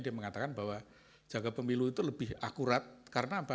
dia mengatakan bahwa jaga pemilu itu lebih akurat karena apa